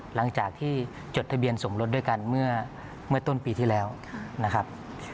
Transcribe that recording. หลังจากที่จดทะเบียนสมรสด้วยกันเมื่อต้นปีที่แล้วนะครับ